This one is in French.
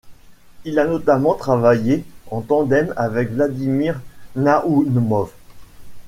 Il a notamment travaillé en tandem avec Vladimir Naoumov.